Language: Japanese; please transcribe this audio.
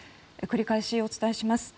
繰り返しお伝えします。